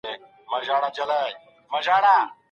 کمپيوټر پوهنه د هر چا د کار ساحه پراخوي.